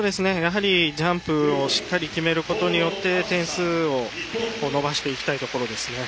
ジャンプをしっかり決めることによって点数を伸ばしていきたいところですね。